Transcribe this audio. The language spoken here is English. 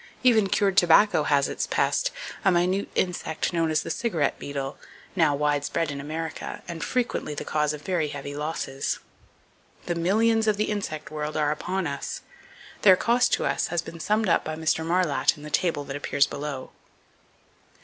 Even cured tobacco has its pest, a minute insect known as the cigarette beetle, now widespread in America and "frequently the cause of very heavy losses." The millions of the insect world are upon us. Their cost to us has been summed up by Mr. Marlatt in the table that appears below.